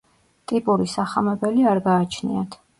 ტიპური სახამებელი არ გააჩნიათ.